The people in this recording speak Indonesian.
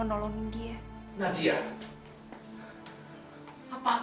pertama kali kita oy hingesu di jawa